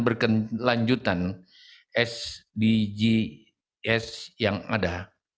berkelanjutan sdgs yang ada